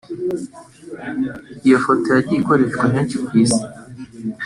Iyi foto yagiye Ikoreshwa henshi ku isi